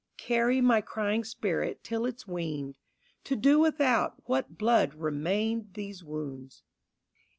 Carry my crying spirit till it's weaned To do without what blood remained these wounds.